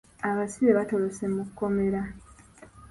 Abasibe batolose mu kkomera.